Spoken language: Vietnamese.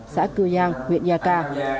xã cư giang huyện nha ca